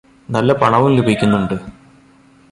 നല്ല പണവും ലഭിക്കുന്നുണ്ട്